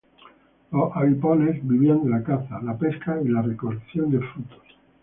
Los abipones vivían de la caza, la pesca y la recolección de frutos.